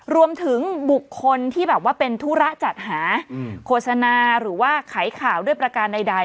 รวมถึงบุคคลที่แบบว่าเป็นธุระจัดหาโฆษณาหรือว่าไขข่าวด้วยประการใด